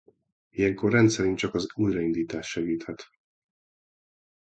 Ilyenkor rendszerint csak az újraindítás segíthet.